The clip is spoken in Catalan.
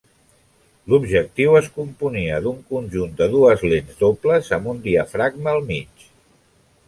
L'objectiu es componia d'un conjunt de dues lents dobles amb un diafragma al mig.